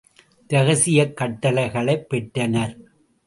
இரகசியக் கட்டளைகளைப் பெற்றனர்.